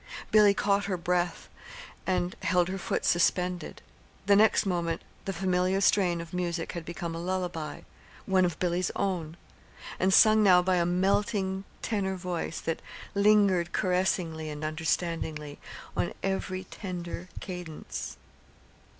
Billy caught her breath, and held her foot suspended. The next moment the familiar strain of music had become a lullaby one of Billy's own and sung now by a melting tenor voice that lingered caressingly and understandingly on every tender cadence.